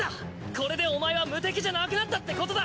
これでお前は無敵じゃなくなったってことだ。